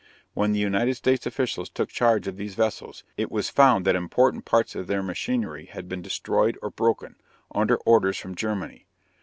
When the United States officials took charge of these vessels, it was found that important parts of their machinery had been destroyed or broken, under orders from Germany.